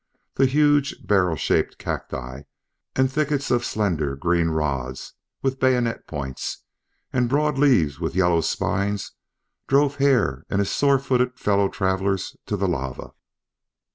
The huge barrel shaped cacti, and thickets of slender dark green rods with bayonet points, and broad leaves with yellow spines, drove Hare and his sore footed fellow travellers to the lava.